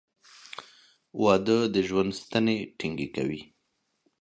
• واده د ژوند ستنې ټینګې کوي.